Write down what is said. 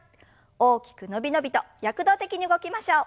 大きく伸び伸びと躍動的に動きましょう。